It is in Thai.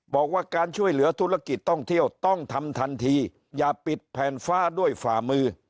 บอกว่าการช่วยเหลือธุรกิจท่องเที่ยวต้องทำทันทีอย่าปิดแผ่นฟ้าด้วยฝ่ามือ